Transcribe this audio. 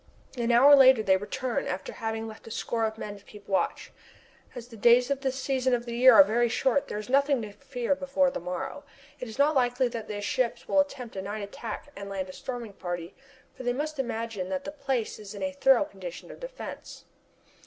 An hour later they return after having left a score of men to keep watch. As the days at this season of the year are very short there is nothing to fear before the morrow. It is not likely that the ships will attempt a night attack and land a storming party, for they must imagine that the place is in a thorough condition of defence.